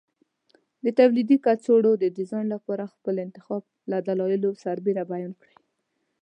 د تولیدي کڅوړو د ډیزاین لپاره خپل انتخاب له دلایلو سره بیان کړئ.